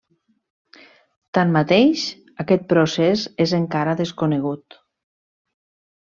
Tanmateix, aquest procés és encara desconegut.